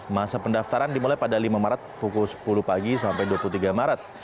masa pendaftaran dimulai pada lima maret pukul sepuluh pagi sampai dua puluh tiga maret